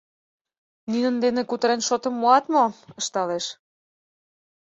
— Нинын дене кутырен шотым муат мо? — ышталеш.